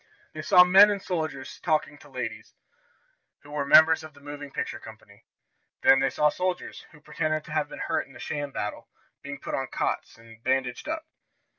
They saw men and soldiers talking to the ladies, who were members of the moving picture company. Then they saw soldiers, who pretended to have been hurt in the sham battle, being put on cots, and bandaged up.